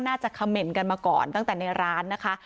เขม่นกันมาก่อนตั้งแต่ในร้านนะคะ